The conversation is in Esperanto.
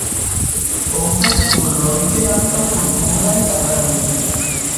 Oftas surloke ankaŭ kulturaj aranĝoj.